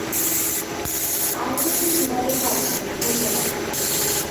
আর কিছু চিবাতে থাকব, ধন্যবাদ।